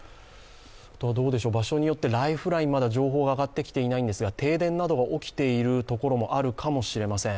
場所によってライフライン、まだ情報が上がってきていないんですが停電などが起きているところもあるかもしれません。